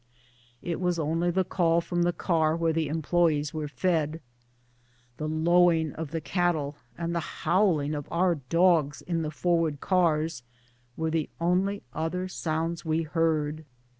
It was only the call from the car where the employes were fed. The lowing of the cat tle and howling of our dogs in the forward cars were the only other sounds we heard.